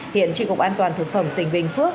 hiện trị cục an toàn thực phẩm tỉnh bình phước